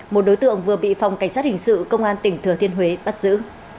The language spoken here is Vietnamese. một đối tượng vừa bị phòng cảnh sát hình sự công an tỉnh thừa thiên huế bắt giữ